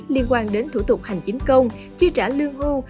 liên quan đến thủ tục hành chính công chi trả lương hưu